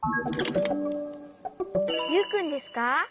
ユウくんですか？